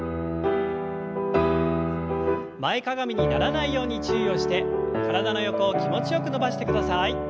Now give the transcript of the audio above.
前かがみにならないように注意をして体の横を気持ちよく伸ばしてください。